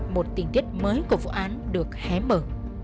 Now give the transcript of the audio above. một tình tiết mới của vụ án được hé mở